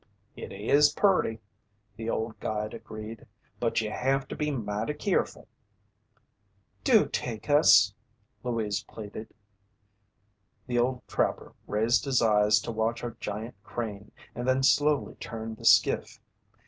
"It is purty," the old guide agreed. "But you have to be mighty keerful." "Do take us," Louise pleaded. The old trapper raised his eyes to watch a giant crane, and then slowly turned the skiff.